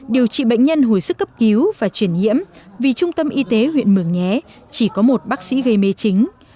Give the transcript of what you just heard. điều trị bệnh nhân hồi sức cấp cứu và chuyển nhiễm vì trung tâm y tế huyện mường nhé chỉ có một bác sĩ gây mê chính